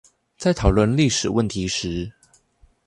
在討論歷史問題時